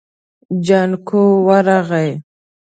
جانکو ورغی.